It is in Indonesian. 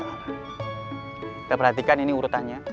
kita perhatikan ini urutannya